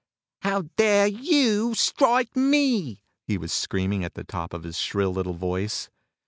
"How dare you strike me?" he was screaming at the top of his shrill little voice.